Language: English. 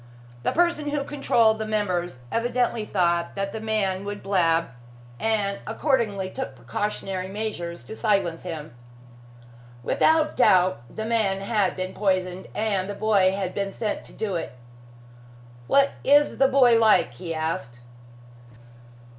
The person who controlled the members evidently thought that the man would blab, and accordingly took precautionary measures to silence him. Without doubt, the man had been poisoned, and the boy had been sent to do it. "What is the boy like?" he asked.